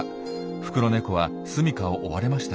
フクロネコは住みかを追われました。